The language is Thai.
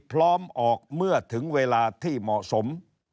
พร้อมออกเมื่อถึงเวลาที่เหมาะสม